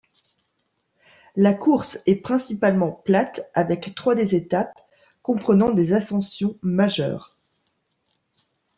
La course est principalement plate avec trois des étapes comprennant des ascensions majeures.